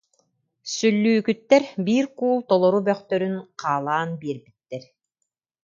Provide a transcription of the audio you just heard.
Сүллүүкүттэр биир куул толору бөхтөрүн хаалаан биэрбиттэр